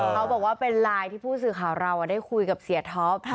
เขาบอกว่าเป็นไลน์ที่ผู้สื่อข่าวเราได้คุยกับเสียท็อป